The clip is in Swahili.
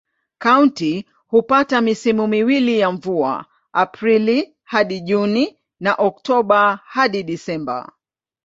Kaunti hupata misimu miwili ya mvua: Aprili hadi Juni na Oktoba hadi Disemba.